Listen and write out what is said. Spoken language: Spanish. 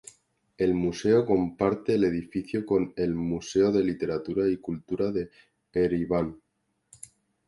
El museo comparte el edificio con el Museo de Literatura y Cultura de Ereván.